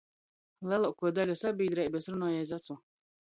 Leluokuo daļa sabīdreibys runoj aiz ocu.